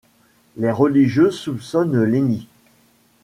Les religieuses soupçonnent Léni.